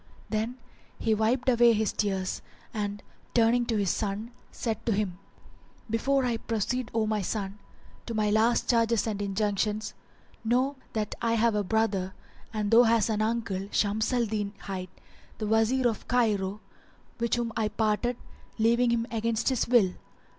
Then he wiped away his tears and, turning to his son, said to him, "Before I proceed, O my son, to my last charges and injunctions, know that I have a brother, and thou hast an uncle, Shams al Din hight, the Wazir of Cairo, which whom I parted, leaving him against his will.